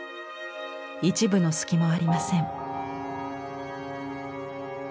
一分の隙もありません。